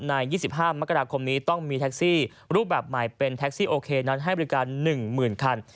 ๒๕มกราคมนี้ต้องมีแท็กซี่รูปแบบใหม่เป็นแท็กซี่โอเคนั้นให้บริการ๑๐๐๐คัน